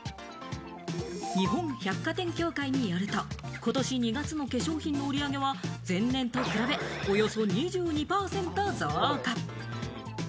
日本百貨店協会によると、今年２月の化粧品の売り上げは前年と比べ、およそ２２％増加。